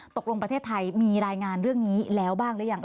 ตกลงประเทศไทยมีรายงานเรื่องนี้แล้วบ้างหรือยัง